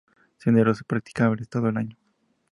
Senderos practicables todo el año.